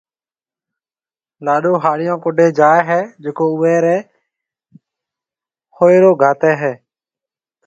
لاڏو ھاڙيون ڪوڊِي جائيَ ھيََََ جڪو اوئيَ رَي ھوئيرو گھاتيَ ھيََََ